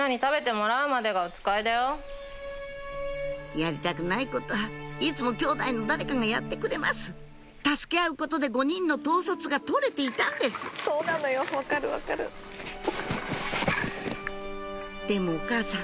やりたくないことはいつもきょうだいの誰かがやってくれます助け合うことで５人の統率が取れていたんですでもお母さん